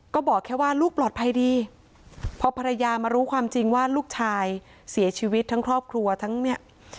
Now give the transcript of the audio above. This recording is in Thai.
ก็บอกแค่ว่าลูกปลอดภัยดีพอภรรยามารู้ความจริงว่าลูกชายเสียชีวิตทั้งครอบครัวทั้งเนี่ย